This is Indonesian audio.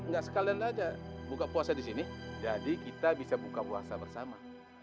gak sekalian saja buka puasa di sini jadi kita bisa buka puasa bersama